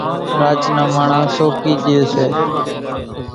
راچ نان ماڻۿان سوڪِي ڄيَ سي۔